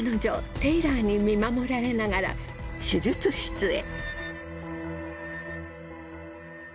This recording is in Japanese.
テイラーに見守られながら手術室へ。